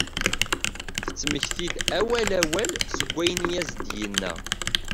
Tettmekti-d awal awal seg wayen i as-d-yenna.